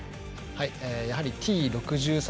やはりＴ６３